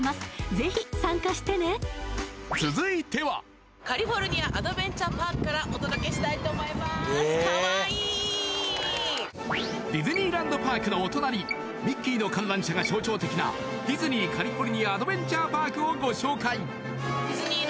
ぜひ参加してねディズニーランド・パークのお隣ミッキーの観覧車が象徴的なディズニー・カリフォルニア・アドベンチャー・パークをご紹介